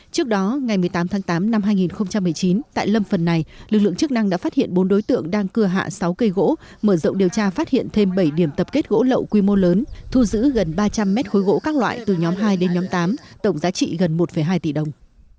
trước đó ngày một mươi tám tháng tám năm hai nghìn một mươi chín tại lâm phần này lực lượng chức năng đã phát hiện bốn đối tượng đang cưa hạ sáu cây gỗ mở rộng điều tra phát hiện thêm bảy điểm tập kết gỗ lậu quy mô lớn thu giữ gần ba trăm linh mét khối gỗ các loại từ nhóm hai đến nhóm tám tổng giá trị gần một hai tỷ đồng